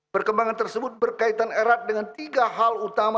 perkembangan tersebut berkaitan erat dengan tiga hal utama